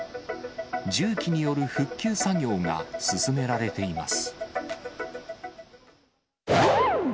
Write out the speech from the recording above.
重機による復旧作業が進められています。